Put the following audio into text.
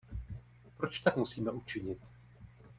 Proč tak musíme učinit?